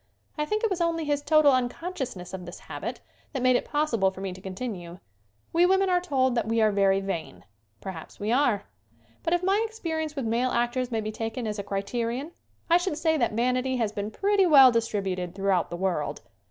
I think it was only his total unconsciousness of this habit that made it possible for me to con tinue. We women are told that we are very vain. Perhaps we are. But if my experience with male actors may be taken as a criterion I should say that vanity has been pretty well distributed throughout the world.